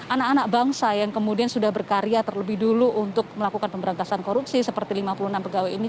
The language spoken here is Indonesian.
anak anak bangsa yang kemudian sudah berkarya terlebih dulu untuk melakukan pemberantasan korupsi seperti lima puluh enam pegawai ini